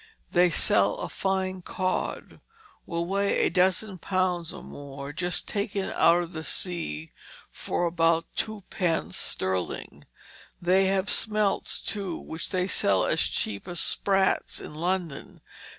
They sell a fine cod, will weigh a dozen pounds or more, just taken out of the sea for about twopence sterling. They have smelts, too, which they sell as cheap as sprats in London.